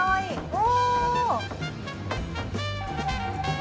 お！